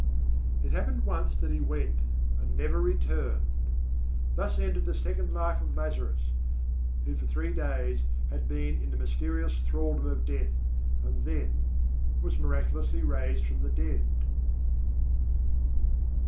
It happened once that he went and never returned. Thus ended the second life of Lazarus, who for three days had been in the mysterious thraldom of death and then was miraculously raised from the dead.